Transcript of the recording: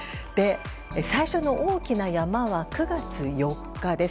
最初の大きな山は９月４日です。